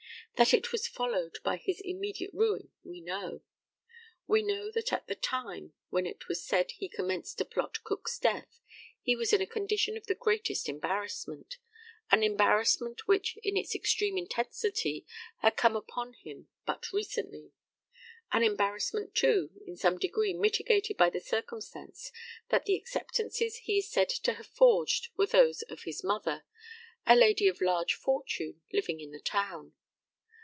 That it was followed by his immediate ruin we know. We know that at the time when it is said he commenced to plot Cook's death he was in a condition of the greatest embarrassment an embarrassment which in its extreme intensity had come upon him but recently an embarrassment, too, in some degree mitigated by the circumstance that the acceptances he is said to have forged were those of his mother a lady of large fortune living in the town.